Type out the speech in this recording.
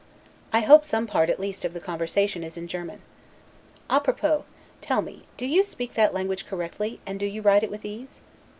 I hope some part, at least, of the conversation is in German. 'A propos': tell me do you speak that language correctly, and do you write it with ease?